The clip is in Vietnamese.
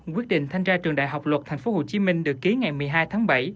quyết định thanh tra trường đại học luật tp hcm được ký ngày một mươi hai tháng bảy